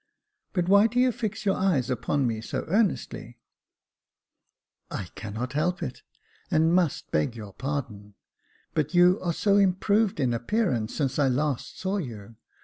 But why do you fix your eyes upon me so earnestly ?" "I cannot help it, and must beg your pardon ; but you Jacob Faithful 391 are so improved in appearance since I last saw you.